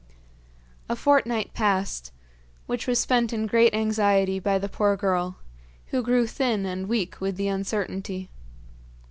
A fortnight passed, which was spent in great anxiety by the poor girl, who grew thin and weak with the uncertainty.